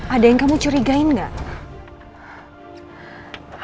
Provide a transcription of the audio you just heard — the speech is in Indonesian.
ada yang kamu curigain nggak